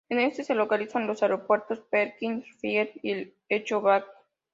En este se localizan los aeropuertos Perkins Field y el Echo Bay.